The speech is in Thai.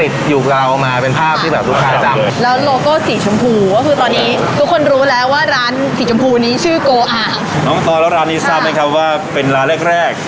ตอนนี้ทุกคนรู้แล้วว่าร้านสีจำพูนี้ชื่อโกอ่าน้องตอนแล้วร้านนี้ซ้ำนะครับว่าเป็นร้านแรกแรก